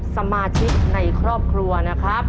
สมาชิกในครอบครัวนะครับ